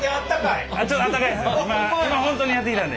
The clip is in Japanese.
今本当にやってきたんで。